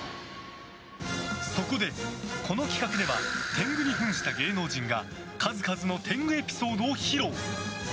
そこで、この企画では天狗に扮した芸能人が数々の天狗エピソードを披露。